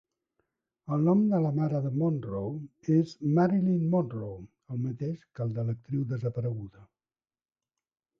El nom de la mare de Monroe és Marilyn Monroe, el mateix que el de l'actriu desapareguda.